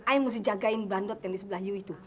aku harus jagain bandut yang di sebelah sini ya pak